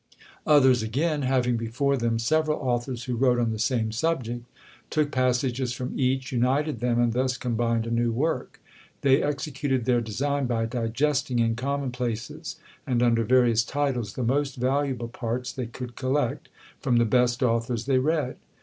Others again, having before them several authors who wrote on the same subject, took passages from each, united them, and thus combined a new work; they executed their design by digesting in commonplaces, and under various titles, the most valuable parts they could collect, from the best authors they read.